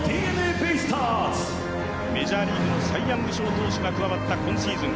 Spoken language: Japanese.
メジャーリーグのサイ・ヤング賞投手が加わった今シーズン。